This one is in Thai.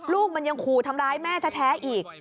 ลูกมันยังขู่ทำร้ายแม่แท้อีก